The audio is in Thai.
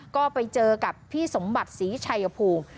ก็ไปเจอกับพี่สมบัติศรีชัยภูมิ